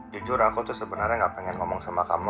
jujur aku tuh sebenarnya gak pengen ngomong sama kamu